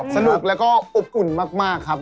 สนุกแล้วก็อบอุ่นมากครับ